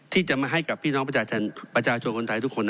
ที่จะมาให้กับพี่น้องประชาชนคนไทยทุกคน